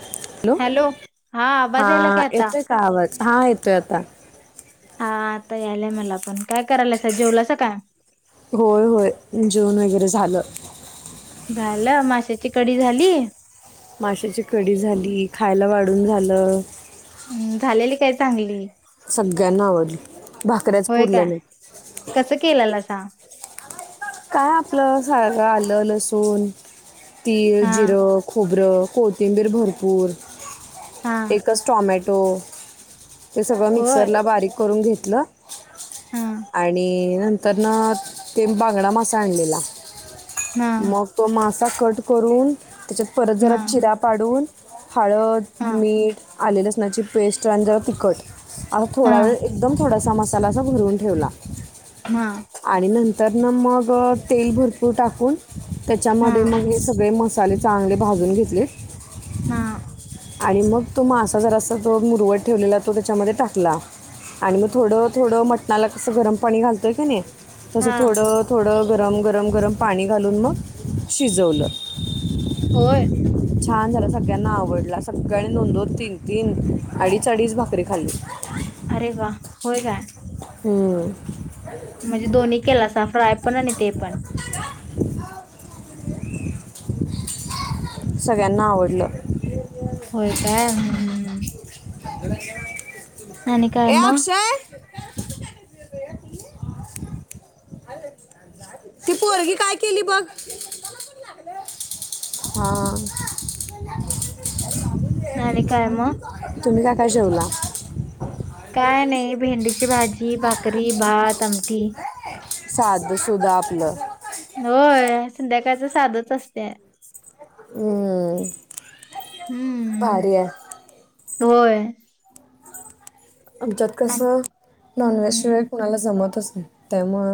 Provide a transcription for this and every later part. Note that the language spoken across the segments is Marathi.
हॅलो हा आवाज यायला काय आता येतोय का आवाज हा येतोय आता हा आता यालाय मला पण काय करायला जेवलास काय होय होय जेवन वगैरे झालं झालं माशाची कडी झाली माशाची कडी झाली खायला वाढून झालं हम्म, झालेली काय चांगली सगळ्यांना आवडली भाकऱ्याच होय पुरल्या काय नाही कसं केलंला स काय आपलं स आलं लसण तीळ हा जिरं खूप खोब्रं कोथिंबीर भरपूर हा एकच टॉमॅटो ते सगळं मिक्सर होय हा त्यानंतरन ते बांगडा मासा आणलेला ना मग तो मासाच कट करून त्याच्यात परत जरा ना चिरा पाडून हा हळद मीठ आले लसणाची पेस्ट रजवळ पिकट आता हा थोडा वेळ एकदम थोडासा मसालासा भरून ठेवला ना आणि नंतर ना मग तेल भरपूर टाकून ना त्याच्यामध्ये मग सगळे मस् मसाले चांगले भाजून घेतले. हा. आणि मग तो मासा जरासा जो मुरवट ठेवलेला तो त्याच्यामध्ये टाकला. आणि मग थोडं थोडं मटणाला कसं गरम पाणी घालतोय काय नाही तसं हा थोडं थोडं गरम गरम गरम पाणी घालून मग शिजवलं. होय. छान झाला सगळ्यांना आवडला सगळ्यांनी दोन-दोन, तीन-तीन, अडीच- अडीच भाकरी खाल्ली. अरे वा होय काय. हम्म. म्हणजे दोन्ही केलासा फ्राय पण आणि ते पण. [inaudible] सगळ्यांना आवडलं. होय काय हम्. ए मग अक्षय. ती पोरगी काय केली बघ? हा. आणि काय मग? तुम्ही काय काय जेवला? काय नाही भेंडीची भाजी, भाकरी, भात, आमठी. साध सुध आपलं. संध्याकाळच साधच असते. हम्म. हम्म भारी आहे. होय. आमच्यात आणि कसं नॉनव्हेज शिवाय हम्म कुणाला जमतच नाही त्यामुळे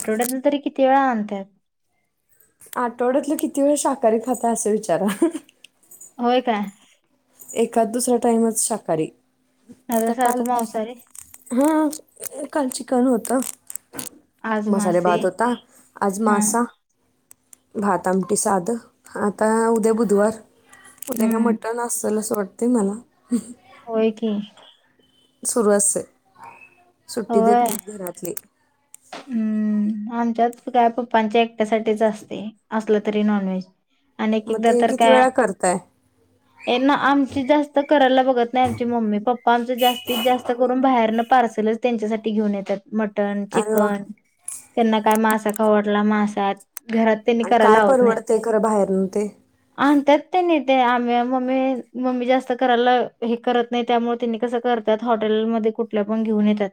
आठवड्यातन तरी किती वेळा आणताय? आठवड्यातलं किती वेळ शाकाहारी खाता असं विचारा? होय काय? एखाद दुसरा टाइमच शाकाहारी. नाहीतर सारख मांसाहारीच. हा काल चिकन होत. आज मसाले मासे भात होता. आज हा मासा भात, आमटी साधं. आता उद्या बुधवार उद्या काय हम्म मटण अस ल असं वाटते मला. होय की. सुरू असते. सुट्टी देत होय नाही घरातली. हम्म आमच्याच काय पप्पांच्या एकट्यासाठीच असते, असलं तरी नॉनव्हेज. आणि एक मग ते किती वेळा करताय? ये ना आमची जास्त करायला बघत नाही. आमची मम्मी पप्पा आमचा जास्तीत जास्त करून बाहेर न पार्सलच त्यांच्यासाठी घेऊन येतात मटन, अरे वा चिकन, त्यांना काय मास खाऊ वाटला मासा घरात त्यांनी आणि करायला काय लावत नाहीत. परवडतंय खरं बाहेरनं ते आणत्यात त्यांनी आम मम्मी जास्त करायला हे करत नाही त्यामुळे त्यां कस करतात हॉटेलमध्ये कुठल्या पण घेऊन येतात.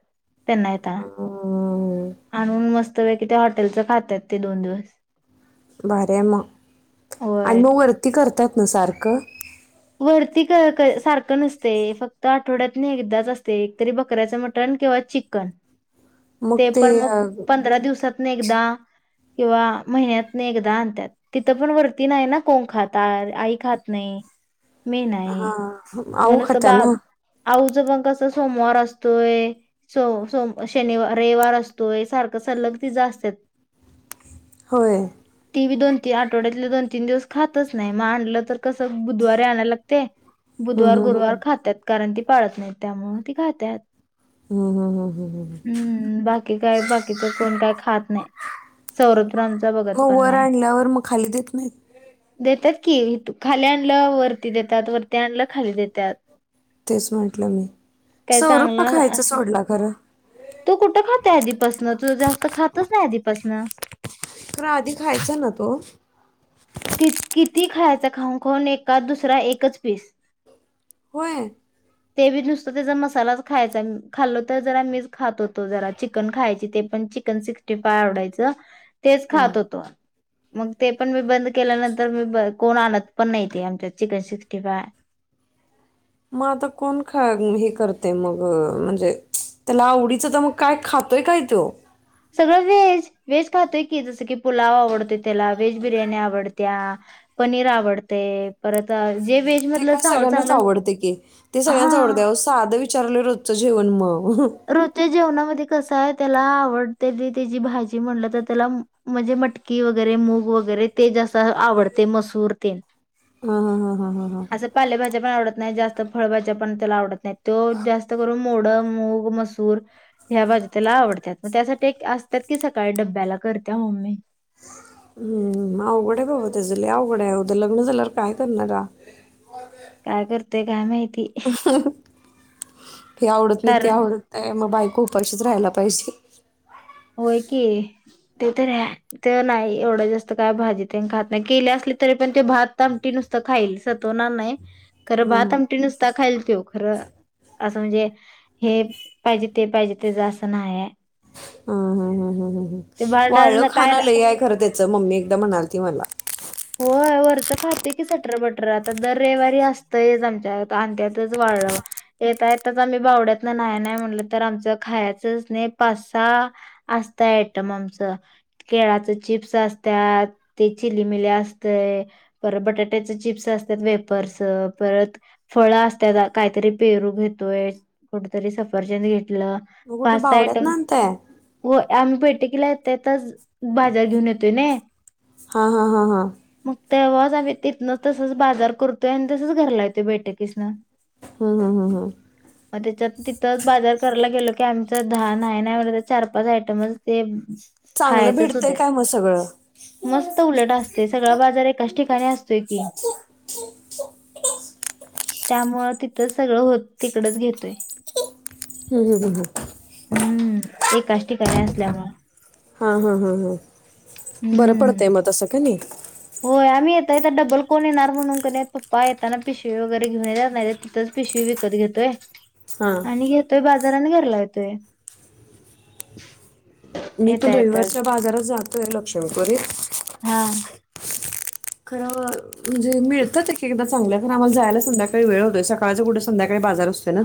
त्यांना येता. अं, आणून मस्त पैकी हॉटेलचं खातात ते दोन दिवस. भारी आहे मग आणि होय मग वरती करतात ना सारखं, वरती सारख नसते, फक्त आठवड्यात नाही एकदाच असते. तरी बकऱ्याच मटण किंवा चिकन, मग ते पण मग अं, पंधरा दिवसात एकदा किंवा महिन्यात नाही एकदा आणत्यात. तिथं पण वरती नाही ना कोण खात, आई खात नाही. मी नाही हा [inaudible] आऊ खाता ना तिचं पण कसं सोमवार असतोय, सोम सोम शनी रविवार असतोय. सारखं सलग तिज अस्त्यात होय, दोन तीन आठवड्यातले दोन तीन दिवस खातच नाही मग आणलं तर कसं बुधवारी आणयला लागते. बुधवार हम्म, हम्म. गुरुवार खातात कारण ती पाळत नाही त्यामु ती खातात हम् हम् हम् हम्म बाकी काय बाकीच कोण काय खात नाही. सौरभ तर आमचा बघत मग पण वर नाही आणल्यावर मग खाली देत नाहीत देतेत खाली आणलं वरती देतात वरती आणलं खाली देतात. तेच म्हंटलं मी काय सौरभ पण चांगला खायचं असला सोडला कार तू कुठं खातेआधीपासन तू जास्त खातच नाही आधिपासन खर आधी खायचा ना तो ती खायचा खाऊन खाऊन एका दुसरा एकच पीस होय ते बी नुसतं ते ज मसालाच खायचा खाल्लो तर जरा मी खात होतो जरा चिकन खायची ते पण चिकन सिक्स्टी फाय आवडायचं तेच खात होतो. मग ते पण मी बंद केल्यानंतर मी कोण आणत पण नाही ते आमच्या चिकन सिक्स्टी फाय मग आता कोण ख हे करते मग म्हणजे त्याला आवडीचं तर मग काय खातोय काय तो व्हेज खातोय की जस की पुलाव आवडतोय त्याला व्हेज बिर्याणी आवडती पनीर आवडते जे व्हेज ते मधलं काय चांगलं सगळ्यांनाच चांगलं आवडते की ते हा सगळ्यांच आवडते साधं विचारलेलं रोजचं जेवण मग रोते जेव ना त्याला आवड त्या भाजी म्ह तर त्या म्हणे मट वरे वगैरे ते जस आवडते मसूरते हा हा हा हा हा हा असं पालेभाज्या पण आवडत नाही जास्त फळबाच्या पण त्याला आवडत नाही तो जास्त करून मोडं मूग मसूर ह्या भाज्या त्याला आवडतात मग त्यासाठी असतात की सकाळी डब्याला करत्या मम्मी ह हम् अवघड आहे बाबा त्याच ल अवघड आहे उदर लग्न झाल्यावर काय करणारा काय करतेय काय माहिती ही आवडत नाही ती कारण आवडत नाही मग बायक उपशीच राहायला पाहिजे होय की ते तर ते नाही एवढं जास्त काय भाजी त्यां खात नाही केल्या अस तरी पण भात नुसत खातो ना नाही खरं भात हम्म, आमटी नच दाखयल तो खरं असं म्हणजे हे पाहिजे ते पाहिजे ते जा असं नाहीय हम ह ह ह वाळलं भांडण खाण काय लय खरं त्या मम्मी एकदा म्हणाल त मला हो वरचं खातंय की सटर बटर आता दर रविवारी असतयच आमच्या आण त्यातच वा येेत यच आम्ही बावड्यात ना नाही नाही म्हटलं तर आमचं खायचंच नाही पासा असत आम आम केळा चिप्स असत ते चिली मि अस ब कारी पेरू घेतोय करी सफर्न घ मग कुठं पाच सहा आट बावड्यात ना आणताय हो आम्ही भेट ेला त्याच बाजार घेऊन येतोय न हा हा हा हा मग तेव्हाच आम्ही तिथनं तसच बाजार करतोय आणि तसच घरला येतोय बैठकीसन हा हा हा हा मग त्याच्यात तिथंच बाजार करायला गेलो की आमचं दहाान आहे ना म्ह चार पाच आयटमच ते चांगलं खायचच भेटतंय उद्या काय मग सगळं मस्त उलट असत ते सगळा बाजार एक कच ठिकाणी असतोय की त्यामुळ तिथं सगळं होत तिकडच घेतोय [inaudible] हं, हं. हम्म एककाष्ट ठिकाणी असल्यामुळे हा हा हा हा बरं पडतंय हम्म. मग तसं का नाही होय आम्ही येत य तर डबल कोण येणार म्हणून क पप्पा येताना पिशवे वगैरेऊन येेतणार नाही तिथं पिशवी विकत घेतोय हा आणि घेतोय बाजाराने घरला येतोय मी पण येता येताच. रविवारच्या बाजारात जातोय लक्ष्मीपुरी हा खरा म्हणजे मिळतात एक एकदा ांगलंय कार आ्हाला जायला संध्याकाळी वळतोय सकाळं कुठ संध्याळी बाजार असतो ना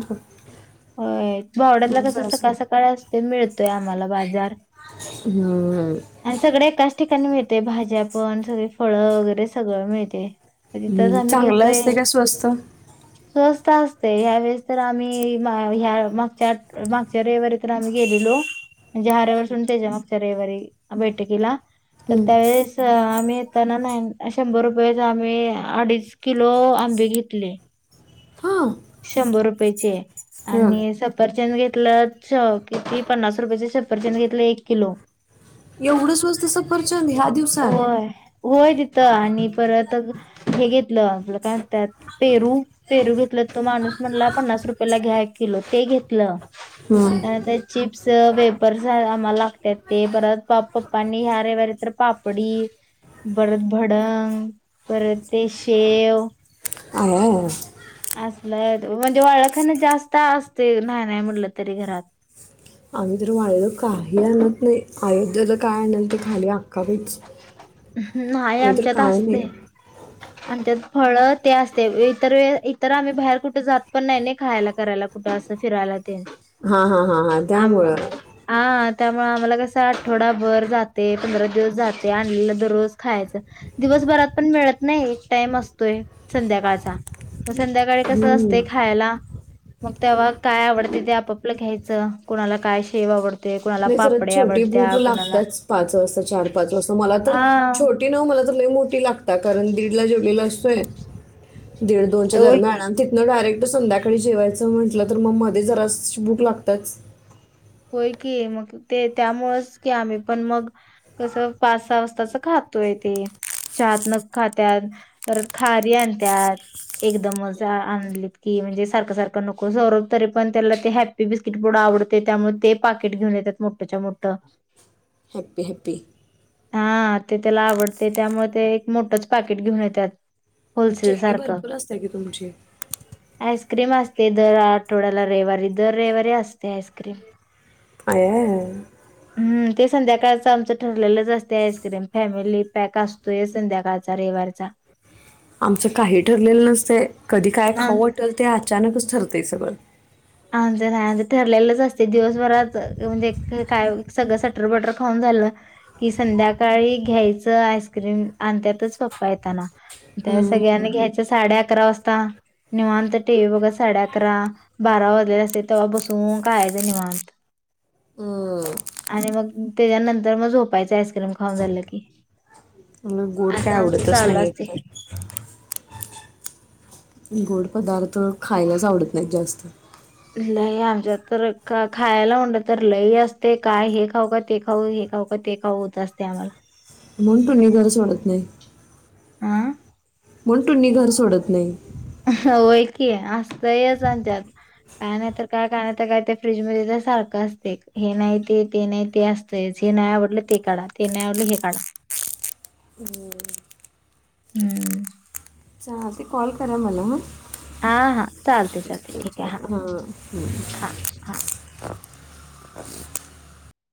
हो भावड्यातला मग कस जरासं सकाळ सकाळ असते मिळतोय आम्हाला बाजार ह आणि सगळ एकाच ठिकाणी मिळते भाज्या पण सगळी फळं वगैरे सगळं मिळते तिथच हं. आम्ही चांगलं घेतोय असते का स्वस्त स असते ह्यावेेळेस तर आम्ही ह्या मागच्या मागच्या रविवारी तर आम्ही गेलेलो म्हणजे हऱ्यावर सड त्याच्या मागच्या रविवारी बैठकीला तर हं. त्यावेळेस आम्ही त्यांना नाही शंभर रुपये आम्ही अडीच किलो आंबे घेतले हा शंभर रुपयचे हा आणि सपर घेतलं किती पन्नास रुपयाे छपर चेंद घेतलं एक किलो करचंद ह्या दिवसात होय. होय तिथं आणि परत हे घेतलं आपलं कायत पेरू पेरू घेतलं तो माणूस म्हटला पन्नास रुपयाेला घ्या किलो ते घेतलं हं. ता चिप्स वेपरस आम्हाला लागतात ते परत पप्पनी ह्या रे वारी तर पापडी परत भडंग परत ते शेव आया आया. असलय म्हणजे वाळखाण जास्त असते नाही नाही म्हटलं तरी घरात [inaudible] आम्ही तर वाळेला काही आणत नाही अयोध्येला काय आणल ते खाली अक्का बच, ह् नाही आमच्यात असते आणि त्यात फळ ते असते इतर व इतर आम्ही बाहेर कुठे जात पण नाही नाही खायला करायला कुठ अस फिरायला ते हा हा हा हा आ त्यामुळं हा त्यामुळे आम्हाला कसं आठवडाभर जाते पंधरा दिवस जाते आण दज खायच दिवसभरात पण मित नाही टाम असतोय संध्याकाळचा मग संध्याकाळी कसं हम्म असते खायला मग तेव्हा काय आवडते ते आपापलं घ्यायचं कुणाला काय शेव आवडत नाही जर छोटी भूक लागतच पाच वाजता चार पाच वाजता मला तर हा छोटी न मला ग मो लागतात कारण दीडला जेवलेल असतोय दीड दोनच्या तो दरम्यान आणि तिथं डायरेक्ट संध्या कडे जेवायचं म्हंटलं तर मग मध्ये जरा बुक लागतच क मग ते त्यामुळेच की आम्ही पण मग कसं पाच सहा वाजताच खातोय ात न खात्यात तर खारी आणतात एकदमच आणलीत की म्हणजे सारखं सारखं नको सरव तरी पण त्याला ते हॅपी बिस्किट बोडा आवडते त्यामुळे ते पाकिट घेऊन येतात मोठ्याच्या मोठं हॅप्पी हॅप्पी हा ते त्याला आवडते त्यामुळे ते एक मोठंच पाकिट घेऊन येतात मग होलसेल चैनी सारखं भरपूर असते की तुमची आईस्क्रीम असते दर आठवड्याला रविवारी दर रविवारी असते आईस्क्रीम काय आहे? हम्म ते संध्याकाळी आमचं ठरलेलंच असत आइस्क्रीम फॅमिली पॅक असतोय संध्याकाळचा रविवारचा आमचं काही ठरलेलं नसतंय, कधी काय आम- खाऊं वाटल ते अचानकच ठरतय सगळं. आमचं नाय आमचं ठरलेलंच असते दिवसभरात म्हणजे काय सगळं सटर बटर खाऊन झालं की संध्याकाळी घ्यायचं आईस्क्रीम आणतेतच पप्पा येताना. त्या हम्म. सगळ्यांनी घ्यायचं साडे अकरा वाजता निवांत टी व्ही बघा साडे अकरा बारा वाजलेले असतेत तेव्हा बसून खायचं निवांत हम्म. आणि मग त्याच्यानंतर मग झोपायचं आईस्क्रीम खाऊन झालं की. मला गोड काय असं आमचं आवडतच चालु नाही असतंय एकतर गोड पदार्थ खायलाच आवडत नाहीत जास्त. लय आमच्यात तर क खायला म्हणत तर लई असतंय काय हे खाऊ का ते खाऊ हे खाऊ का ते खाऊ होत असतंय आम्हाला. म्हणून तुम्ही घर सोडत नाही. आ पण [inaudible] घर सोडत नाही व्हय कि असतंयच आमच्यात. काय नाहीतर काय का नाहीतर काय त्या फ्रीज मध्ये तर सारखं असते हे नाही ते ते नाही ते असतंयच. ते नाही आवडले ते काढा ते नाही आवडले हे काढा. हम हम्म हा ते कॉल करा मला हा हा चालते चालते ठीक आहे हा हां. हा हा